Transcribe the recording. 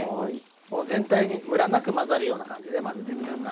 もう全体にむらなく混ざるような感じで混ぜて下さい。